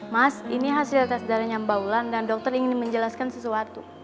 mas ini hasil tes darahnya mbaulan dan dokter ingin menjelaskan sesuatu